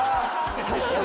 確かに。